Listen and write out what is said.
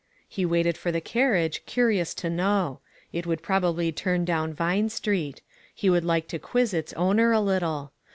He waited for the carriage, curious to know ; it would probably turn down Vine Street; he would like to quiz its owner a little.